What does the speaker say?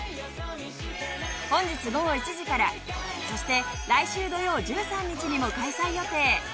本日午後１時からそして来週土曜１３日にも開催予定。